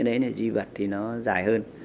đấy là di vật thì nó dài hơn